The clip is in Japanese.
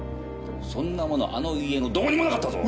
そんなものあの家のどこにもなかったぞ。